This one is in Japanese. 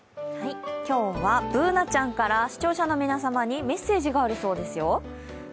今日はＢｏｏｎａちゃんから視聴者の皆様にメッセージがあるそうですよ。